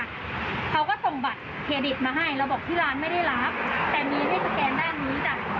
เขาก็ส่งบัตรเครดิตมาให้เราบอกที่ร้านไม่ได้รับแต่มีให้สแกนด้านนี้จ้ะ